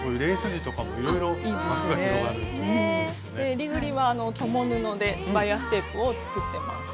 えりぐりは共布でバイアステープを作ってます。